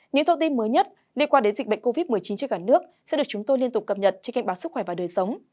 những thông tin mới nhất liên quan đến dịch bệnh covid một mươi chín trên cả nước sẽ được chúng tôi liên tục cập nhật trên kênh báo sức khỏe và đời sống